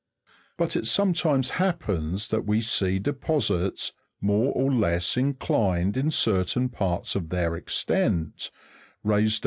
But it sometimes happens that we see deposits, more or less inclined in certain parts of their extent, raised